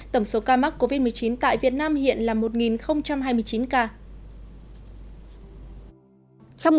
tổng số ca mắc covid một mươi chín tại việt nam hiện là một hai mươi chín ca